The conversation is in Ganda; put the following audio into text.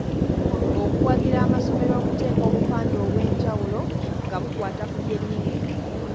Okuwagira amasomero okuteeka obupande obwenjawulo nga bukwata ku by'ennimi.